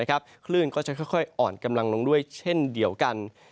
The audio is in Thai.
คลื่นก็จะค่อยอ่อนกำลังลงด้วยเช่นเดียวกัน